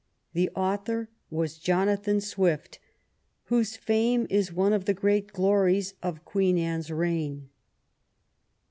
The author was Jonathan Swift, whose fame is one of the great glories of Queen Anne's reign.